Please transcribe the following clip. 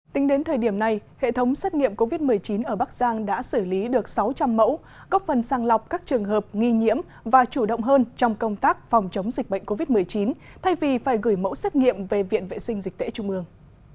tính đến thời điểm này hệ thống xét nghiệm covid một mươi chín ở bắc giang đã xử lý được sáu trăm linh mẫu góp phần sang lọc các trường hợp nghi nhiễm và chủ động hơn trong công tác phòng chống dịch bệnh covid một mươi chín thay vì phải gửi mẫu xét nghiệm về viện vệ sinh dịch tễ trung ương